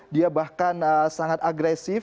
dia bahkan sangat agresif